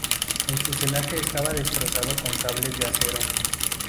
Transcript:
El fuselaje estaba reforzado con cables de acero.